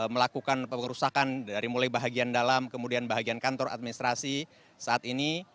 melakukan pengerusakan dari mulai bahagian dalam kemudian bahagian kantor administrasi saat ini